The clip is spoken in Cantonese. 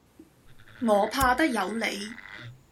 我怕得有理。